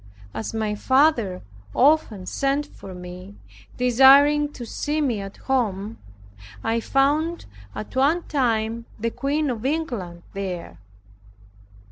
As my father often sent for me, desiring to see me at home, I found at one time the Queen of England there.